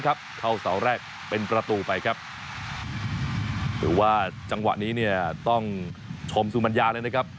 ก็จะทำกากเป็นพอรพฤตของทีมชาติไทยไปลองฟังบางตอนกันครับ